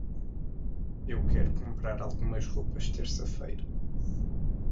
Eu quero comprar algumas roupas terça-feira.